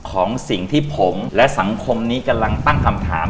ของสิ่งที่ผมและสังคมนี้กำลังตั้งคำถาม